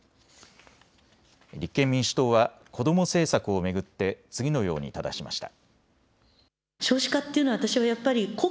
立憲民主党は子ども政策を巡って次のようにただしました。